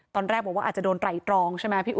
ตอนแรกบอกว่าอาจจะโดนไหล่ตรองใช่ไหมพี่อุ